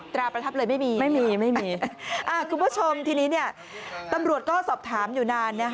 ตราประทับเลยไม่มีไม่มีคุณผู้ชมทีนี้เนี่ยตำรวจก็สอบถามอยู่นาน